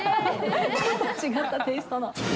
ちょっと違ったテイストの。